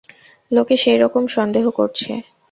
লোকে সেইরকম সন্দেহ করছে।